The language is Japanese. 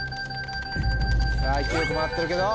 さぁ勢いよく回ってるけど。